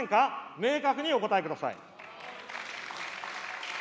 明確にお答えください。